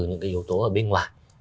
những cái yếu tố ở bên ngoài